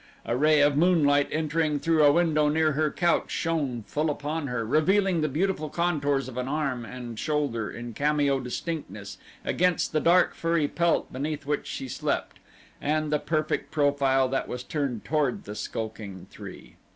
A ray of moonlight entering through a window near her couch shone full upon her, revealing the beautiful contours of an arm and shoulder in cameo distinctness against the dark furry pelt beneath which she slept, and the perfect profile that was turned toward the skulking three.